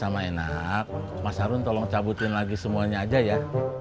sama enak mas harun tolong cabutin lagi semuanya aja ya